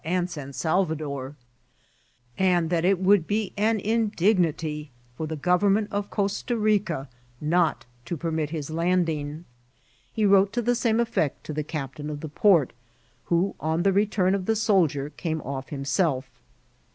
and San Salvador, and that it would be an indigni^for the government of Costa Rica not to permit his Ittidii^. He wrote to the same effect to the captain of the port, who, on the return of the soldier, came off himself.